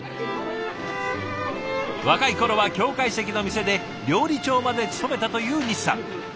若い頃は京懐石の店で料理長まで務めたという西さん。